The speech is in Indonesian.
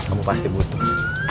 kamu pasti butuh